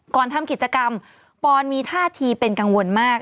ก่อนทำกิจกรรมปอนมีท่าทีเป็นกังวลมาก